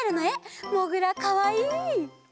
もぐらかわいい。